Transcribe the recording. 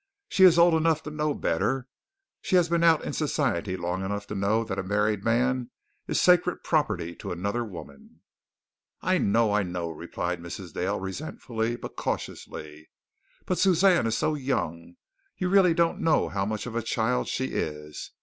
She is old enough to know better. She has been out in society long enough to know that a married man is sacred property to another woman." "I know, I know," replied Mrs. Dale resentfully, but cautiously, "but Suzanne is so young. You really don't know how much of a child she is.